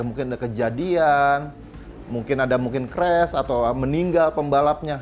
mungkin ada kejadian mungkin ada mungkin crash atau meninggal pembalapnya